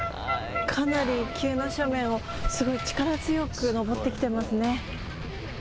かなり急な斜面をすごい力強く登ってきてますね。